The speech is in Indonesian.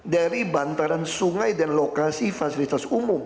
dari bantaran sungai dan lokasi fasilitas umum